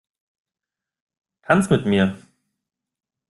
Tanz mit mir!